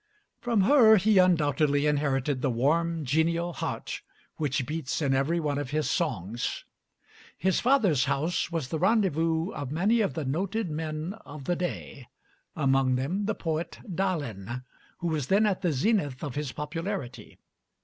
From her he undoubtedly inherited the warm, genial heart which beats in every one of his songs. His father's house was the rendezvous of many of the noted men of the day, among them the poet Dalin, who was then at the zenith of his popularity.